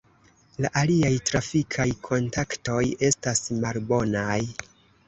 La aliaj trafikaj kontaktoj estas malbonaj.